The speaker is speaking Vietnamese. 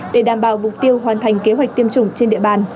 để đảm bảo mục tiêu hoàn thành kế hoạch tiêm chủng trên địa bàn